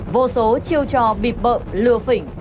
vô số chiêu trò bịp bợm lừa phỉnh